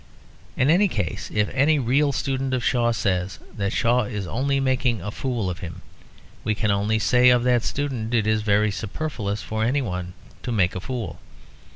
In any case if any real student of Shaw says that Shaw is only making a fool of him, we can only say that of that student it is very superfluous for anyone to make a fool.